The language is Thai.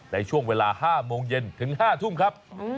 ในช่วงเวลา๕โมงเย็นถึง๕ทุ่มครับ